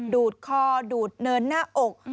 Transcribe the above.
ดูดคอดูดเนินหน้าอก